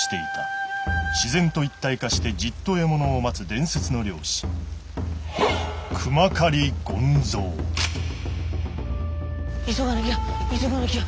自然と一体化してじっと獲物を待つ伝説の猟師熊狩権三急がなきゃ急がなきゃ。